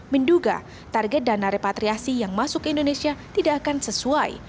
menduga target dana repatriasi yang masuk ke indonesia tidak akan sesuai